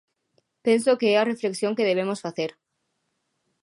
Penso que é a reflexión que debemos facer.